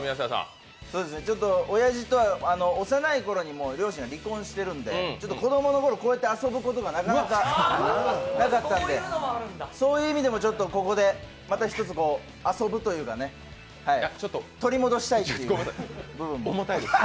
親父とは、幼いころに両親が離婚していますので、子供のころ、こうやって遊ぶことがなかなかなかったんでそういう意味でもちょっとここでまたひとつ遊ぶというかね、取り戻したいと思います。